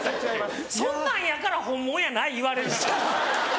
そんなんやから「本物やない」言われるんですよ！